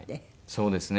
そうですね。